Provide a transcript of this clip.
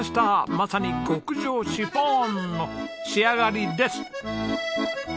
まさに極上シフォンの仕上がりです。